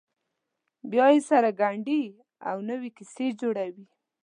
بیا یې سره ګنډي او نوې کیسې جوړوي.